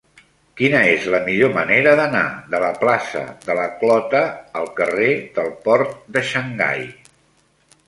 Quina és la millor manera d'anar de la plaça de la Clota al carrer del Port de Xangai?